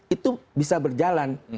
itu bisa berjalan